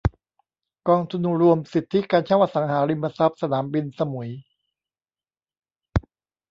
กองทุนรวมสิทธิการเช่าอสังหาริมทรัพย์สนามบินสมุย